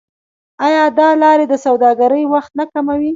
آیا دا لارې د سوداګرۍ وخت نه کموي؟